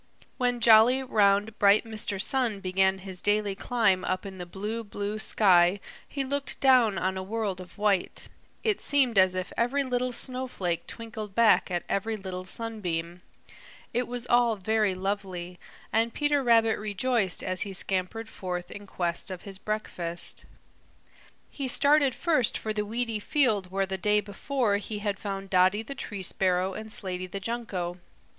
When jolly, round, bright Mr. Sun began his daily climb up in the blue, blue sky he looked down on a world of white. It seemed as if every little snowflake twinkled back at every little sunbeam. It was all very lovely, and Peter Rabbit rejoiced as he scampered forth in quest of his breakfast. He started first for the weedy field where the day before he had found Dotty the Tree Sparrow and Slaty the Junco.